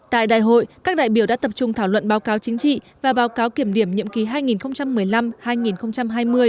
tại đại hội các đại biểu đã tập trung thảo luận báo cáo chính trị và báo cáo kiểm điểm nhiệm kỳ hai nghìn một mươi năm hai nghìn hai mươi